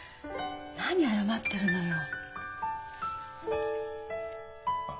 何謝ってるのよ？